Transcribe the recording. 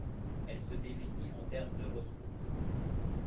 Elle se définit en termes de ressources.